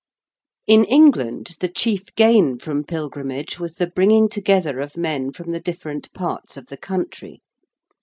In England, the chief gain from pilgrimage was the bringing together of men from the different parts of the country.